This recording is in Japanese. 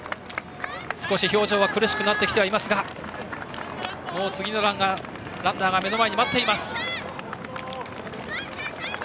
少し表情は苦しくなってきていますがもう次のランナーが目の前に待っています。